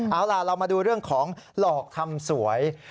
เอาล่ะเรามาดูเรื่องของหลอกทำสวย